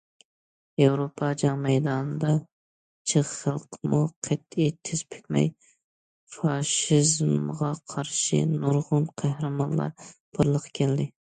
ياۋروپا جەڭ مەيدانىدا، چېخ خەلقىمۇ قەتئىي تىز پۈكمەي، فاشىزمغا قارشى نۇرغۇن قەھرىمانلار بارلىققا كەلدى.